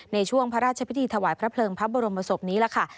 ในช่วงพระราชพิธีถวายพระเพลิงพระบรมศพนี้ล่ะค่ะ